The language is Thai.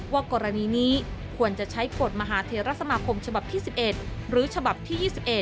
กรณีนี้ควรจะใช้กฎมหาเทรสมาคมฉบับที่๑๑หรือฉบับที่๒๑